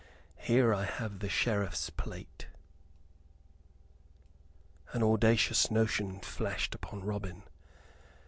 Here have I the Sheriff's plate " An audacious notion flashed upon Robin.